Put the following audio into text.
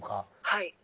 「はい」